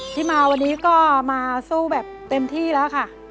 ที่มาวันนี้ก็มาสู้แบบเต็มที่แล้วค่ะ